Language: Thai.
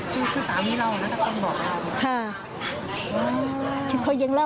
คือสามีเล่านะตะโกนบอกได้หรือเปล่าค่ะ